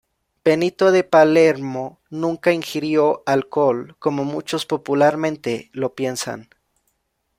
Benito de Palermo nunca ingirió alcohol, como muchos popularmente lo piensan.